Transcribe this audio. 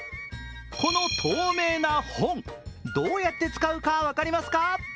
この透明な本、どうやって使うか分かりますか？